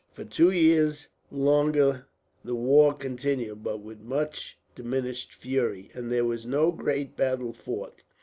For two years longer the war continued, but with much diminished fury, and there was no great battle fought.